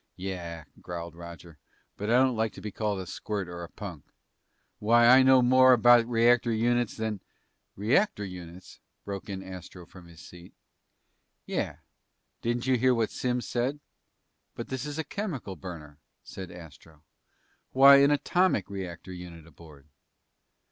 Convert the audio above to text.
"Yeah," growled Roger, "but I don't like to be called a squirt or a punk! Why, I know more about reactor units than " "Reactor units?" broke in Astro from his seat. "Yeah. Didn't you hear what Simms said?" "But this is a chemical burner," said Astro. "Why an atomic reactor unit aboard?"